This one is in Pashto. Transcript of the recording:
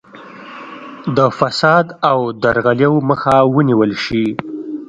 د فساد او درغلیو مخه ونیول شي.